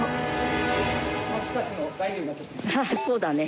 ああそうだね。